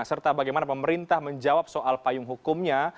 serta bagaimana pemerintah menjawab soal payung hukumnya